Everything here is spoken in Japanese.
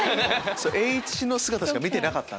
栄一の姿しか見てなかったんで。